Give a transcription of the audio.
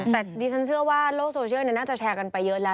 แต่ดิฉันเชื่อว่าโลกโซเชียลน่าจะแชร์กันไปเยอะแล้ว